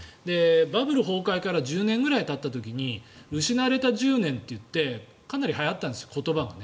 バブル崩壊から１０年ぐらいたった時に失われた１０年といってかなりはやったんです、言葉が。